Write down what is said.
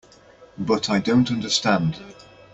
But I don't understand.